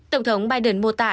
tổng thống biden mô tả